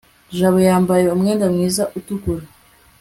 jabo yambaye umwenda mwiza utukura